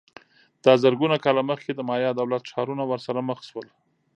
دا زرګونه کاله مخکې د مایا دولت ښارونه ورسره مخ شول